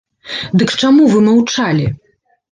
Дык чаму вы маўчалі?